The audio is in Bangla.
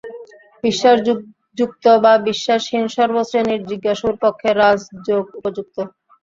বিশ্বাসযুক্ত বা বিশ্বাসহীন সর্ব শ্রেণীর জিজ্ঞাসুর পক্ষে রাজযোগ উপযুক্ত।